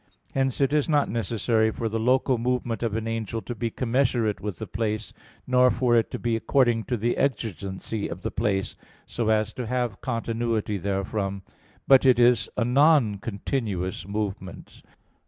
Hence it is not necessary for the local movement of an angel to be commensurate with the place, nor for it to be according to the exigency of the place, so as to have continuity therefrom; but it is a non continuous movement.